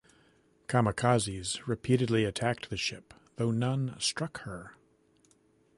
Kamikazes repeatedly attacked the ship, though none struck her.